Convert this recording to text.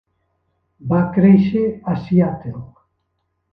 Va créixer a Seattle.